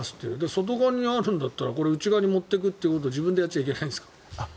外側にあるんだったらこれ、内側に持っていくということを自分でやっちゃいけないんですか？